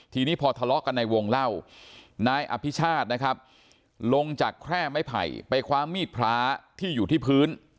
ทีนี้พอทะเลาะกันในวงเล่านายอภิชาตินะครับลงจากแคร่ไม้ไผ่ไปคว้ามีดพระที่อยู่ที่พื้น